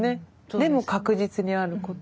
でも確実にあること。